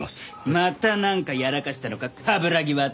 またなんかやらかしたのか冠城亘。